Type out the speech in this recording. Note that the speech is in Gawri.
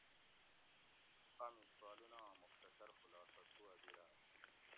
امی سوالونہ آں مختصر خلاصہ توہ بیراۤ